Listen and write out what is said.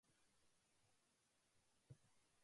早く終わってほしい